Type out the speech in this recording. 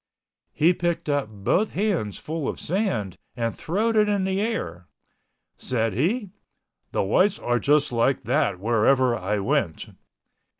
He picked up both hands full of sand and throwed it in the air. Said he, "The whites are just like that wherever I went."